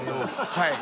はい。